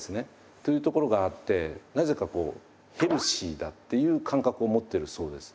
というところがあってなぜかこうヘルシーだっていう感覚を持ってるそうです。